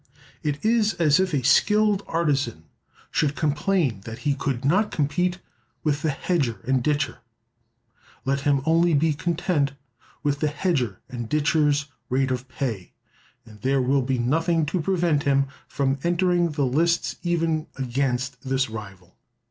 It is as if a skilled artisan should complain that he could not compete with the hedger and ditcher. Let him only be content with the hedger and ditcher's rate of pay, and there will be nothing to prevent him from entering the lists even against this rival."